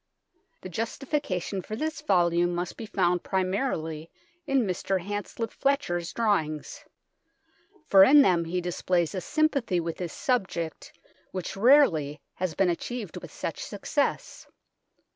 The justification for this volume must be found primarily in Mr. Hanslip Fletcher's drawings, for in them he displays a sympathy with his subject which rarely has been achieved with such success.